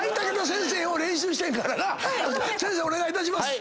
先生お願いいたします。